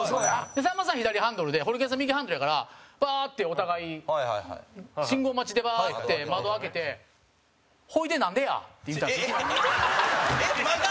さんまさん、左ハンドルでホリケンさん、右ハンドルやからバーッて、お互い信号待ちでバーッて窓開けて「ほいで、なんでや？」って言うたんですよ。